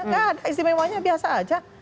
nah istimewanya biasa aja